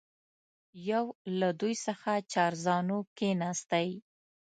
یو له دوی څخه چارزانو کښېنستی.